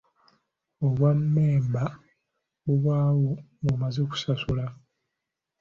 Obwammemba bubaawo nga omaze okusasula.